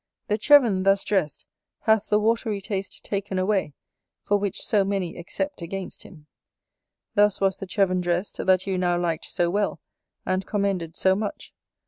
The Cheven thus dressed hath the watery taste taken away, for which so many except against him. Thus was the Cheven dressed that you now liked so well, and commended so much.